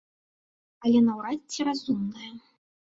Але наўрад ці разумная.